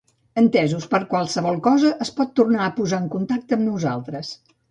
Entesos, per qualsevol cosa es pot tornar a posar en contacte amb nosaltres.